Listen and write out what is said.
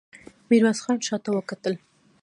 ميرويس خان شاته وکتل.